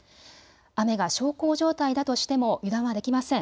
雨が小康状態だとしても油断はできません。